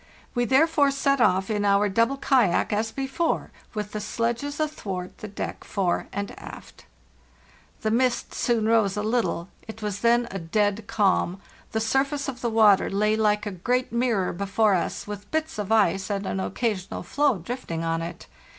We therefore set off in our double kayak, as before, with the sledges athwart the deck fore and aft. " The mist soon rose alittle. It was then a dead calm; the surface of the water lay like a great mirror before us, with bits of ice and an occasional floe drifting on it.